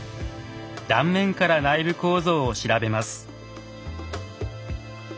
断面から内部構造を調べます。